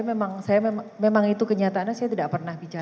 memang itu kenyataannya saya tidak pernah bicara